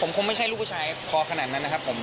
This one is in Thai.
ผมคงไม่ใช่ลูกผู้ชายพอขนาดนั้นนะครับผม